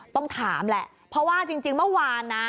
ต้องถามแหละเพราะว่าจริงเมื่อวานนะ